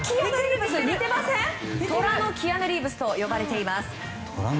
トラのキアヌ・リーブスと呼ばれています。